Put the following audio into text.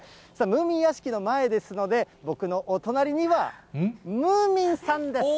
ムーミン屋敷の前ですので、僕のお隣には、ムーミンさんです。